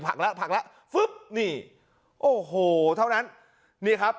ผักแล้วผักแล้วฟึ๊บนี่โอ้โหเท่านั้นนี่ครับ